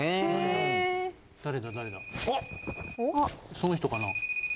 その人かな？